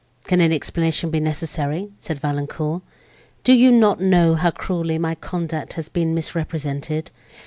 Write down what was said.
"Can any explanation be necessary?" said Valancourt, "do you not know how cruelly my conduct has been misrepresented?